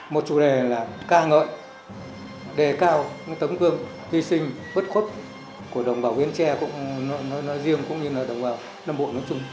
một chủ đề là ca ngợi đề cao tấm cương hy sinh bất khuất của đồng bào biến tre nói riêng cũng như là đồng bào nam bộ nói chung